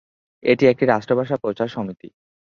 এটিই একটি রাষ্ট্রভাষা প্রচার সমিতি।